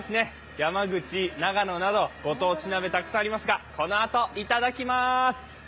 山口、長野などご当地鍋たくさんありますが、このあと、いただきます。